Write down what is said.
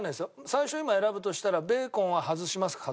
最初今選ぶとしたらベーコンは外しますか？